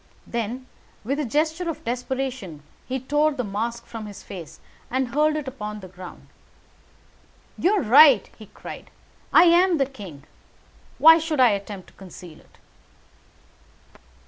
Then, with a gesture of desperation, he tore the mask from his face and hurled it upon the ground. "You are right," he cried, "I am the king. Why should I attempt to conceal it?"